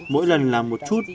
mỗi lần làm một chút